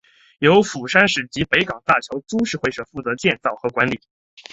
由釜山市及北港大桥株式会社负责建造和管理。